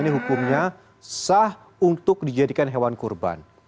ini hukumnya sah untuk dijadikan hewan kurban